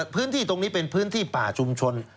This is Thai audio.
พื้นที่ตรงนี้เป็นพื้นที่ป่าชุมชน